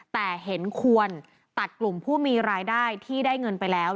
แต่เห็นควรตัดกลุ่มผู้มีรายได้ที่ได้เงินไปแล้ว